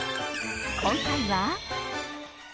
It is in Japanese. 今回は。